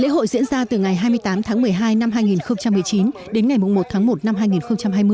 lễ hội diễn ra từ ngày hai mươi tám tháng một mươi hai năm hai nghìn một mươi chín đến ngày một tháng một năm hai nghìn hai mươi